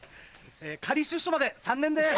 仮出所まで３年です。